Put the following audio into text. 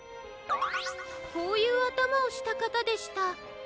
こういうあたまをしたかたでした。